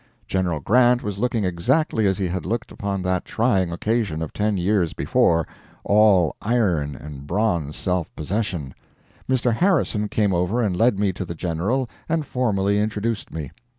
General Grant was looking exactly as he had looked upon that trying occasion of ten years before all iron and bronze self possession. Mr. Harrison came over and led me to the General and formally introduced me.